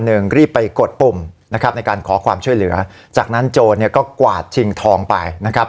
รีบไปกดปุ่มนะครับในการขอความช่วยเหลือจากนั้นโจรเนี่ยก็กวาดชิงทองไปนะครับ